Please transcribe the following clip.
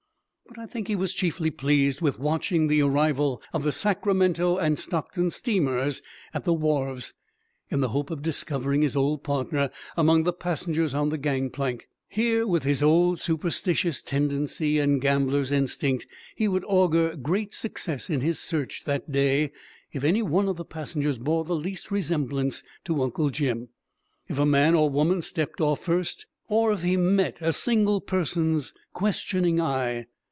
But I think he was chiefly pleased with watching the arrival of the Sacramento and Stockton steamers at the wharves, in the hope of discovering his old partner among the passengers on the gang plank. Here, with his old superstitious tendency and gambler's instinct, he would augur great success in his search that day if any one of the passengers bore the least resemblance to Uncle Jim, if a man or woman stepped off first, or if he met a single person's questioning eye.